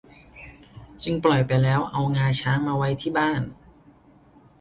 จึงปล่อยไปแล้วเอางาช้างมาไว้ที่บ้าน